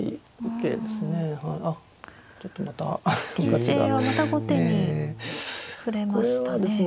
形勢はまた後手に振れましたね。